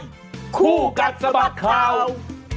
คู่กัดสะบัดข่าว